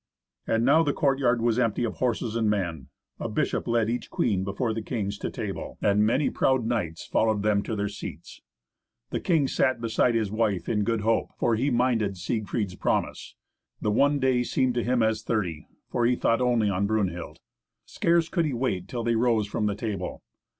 And now the courtyard was empty of horses and men. A bishop led each queen before the kings to table, and many proud knights followed them to their seats. The king sat beside his wife in good hope, for he minded Siegfried's promise. The one day seemed to him as thirty, for he thought only on Brunhild. Scarce could he wait till they rose from the table.